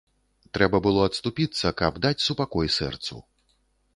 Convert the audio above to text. Трэба было адступіцца, каб даць супакой сэрцу.